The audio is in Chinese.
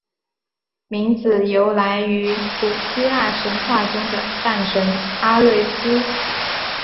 名字由来于古希腊神话中的战神阿瑞斯。